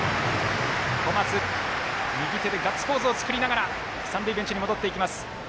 小松、右手でガッツポーズを作りながら三塁ベンチに戻っていきます。